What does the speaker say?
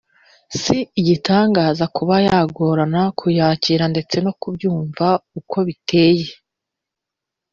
si igitangaza kuba yagorana kuyakira ndetse no kubyumva uko biteye